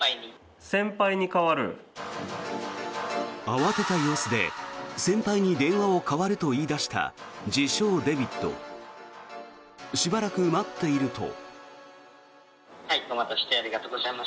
慌てた様子で先輩に電話を代わると言い出した自称・デビッド。しばらく待っていると。